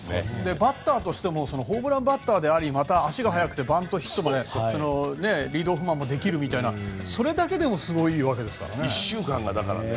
バッターとしてもホームランバッターであり足も速くてリードオフマンもできるみたいなそれだけでもすごいわけですから。